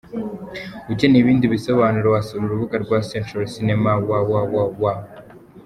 Ukeneye ibindi bisobanuro wasura urubuga rwa Century Cinema www.